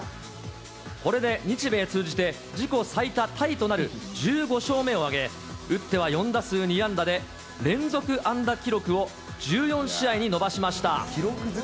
これで日米通じて、自己最多タイとなる１５勝目を挙げ、打っては４打数２安打で、連続安打記録を１４試合に伸ばしました。